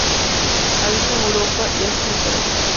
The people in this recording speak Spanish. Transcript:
Habita en Europa y Asia Central.